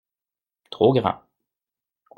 Trop grand.